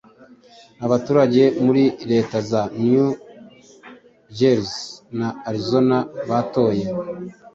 Abaturage muri leta za New Jersey na Arizona batoye